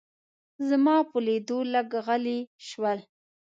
زما په لیدو لږ غلي شول.